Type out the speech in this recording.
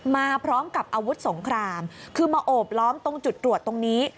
มาพร้อมกับอาวุธสงครามคือมาโอบล้อมตรงจุดตรวจตรงนี้